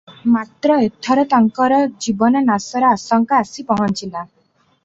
ମାତ୍ର ଏଥର ତାଙ୍କର ଜୀବନ ନାଶର ଆଶଙ୍କା ଆସି ପହଞ୍ଚିଲା ।